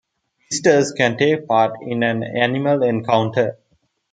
Visitors can take part in an animal encounter.